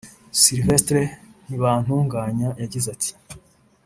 Sylvestre Ntibantunganya yagize ati